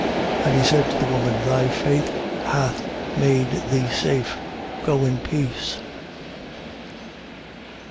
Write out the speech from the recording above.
7:50. And he said to the woman: Thy faith hath made thee safe. Go in peace.